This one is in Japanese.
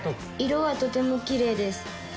色はとてもキレイです。